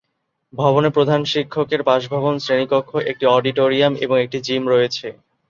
ভবনে প্রধান শিক্ষকের বাসভবন, শ্রেণিকক্ষ, একটি অডিটোরিয়াম এবং একটি জিম রয়েছে।